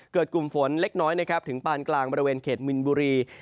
เกิดกลุ่มฝนเล็กน้อยถึงปานกลางบริเวณเขตมิลบุรี